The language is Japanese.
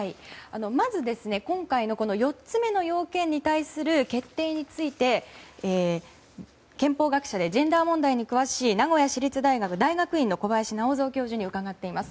まず、今回の４つ目の要件に対する決定について、憲法学者でジェンダー問題に詳しい名古屋市立大学大学院の小林直三教授に受かっています。